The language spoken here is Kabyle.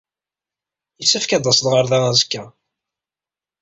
Yessefk ad d-tased ɣer da azekka.